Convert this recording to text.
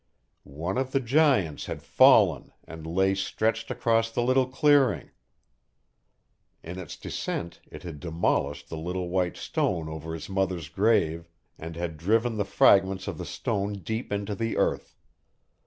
One of the giants had fallen and lay stretched across the little clearing. In its descent it had demolished the little white stone over his mother's grave and had driven the fragments of the stone deep into the earth.